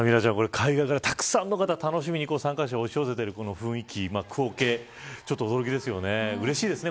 海外からたくさんの方楽しみに参加者が押し寄せている雰囲気ちょっと驚きですよね。